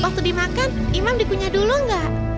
waktu dimakan imam dikunya dulu nggak